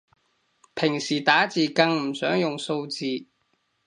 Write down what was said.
平時打字更唔想用數字